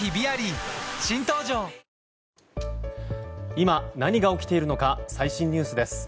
今何が起きているのか最新ニュースです。